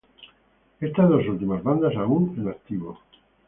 Estas dos últimas bandas aún en activo.